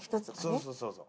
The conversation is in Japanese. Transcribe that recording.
そうそうそうそう。